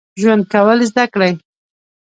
ژوند کول زده کړئ